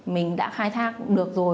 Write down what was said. mình đã khai thác được rồi